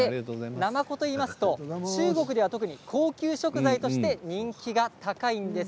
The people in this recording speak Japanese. なまこといいますと中国では特に高級食材として人気が高いんです。